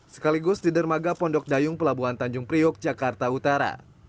sekaligus di dermaga pondok dayung pelabuhan tanjung priok jakarta utara